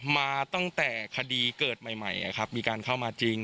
มาตั้งแต่คดีเกิดใหม่มีการเข้ามาจริง